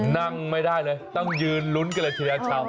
นั่งไม่ได้เลยต้องยืนลุ้นกันเลยทีเดียวชาว